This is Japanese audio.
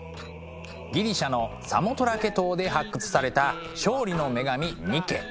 ギリシャのサモトラケ島で発掘された勝利の女神ニケ。